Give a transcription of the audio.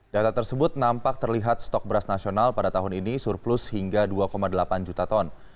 data tersebut nampak terlihat stok beras nasional pada tahun ini surplus hingga dua delapan juta ton